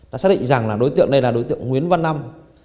đã xác định rằng là đối tượng này là đối tượng nguyễn văn long